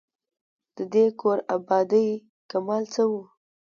د دې کور آبادۍ کمال څه وو.